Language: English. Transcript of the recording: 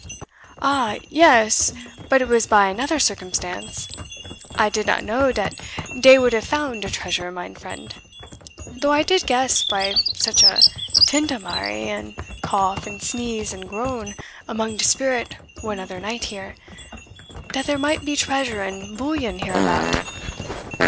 "Aha yes; but it was by another circumstance. I did not know dat dey would have found de treasure, mine friend; though I did guess, by such a tintamarre, and cough, and sneeze, and groan, among de spirit one other night here, dat there might be treasure and bullion hereabout.